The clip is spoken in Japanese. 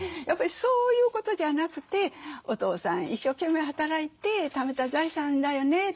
やっぱりそういうことじゃなくて「お父さん一生懸命働いてためた財産だよね。